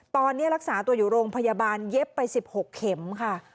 ตอนนี้รักษาตัวอยู่โรงพยาบาลเย็บไป๑๖เข็มค่ะ